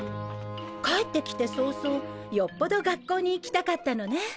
帰ってきて早々よっぽど学校に行きたかったのね。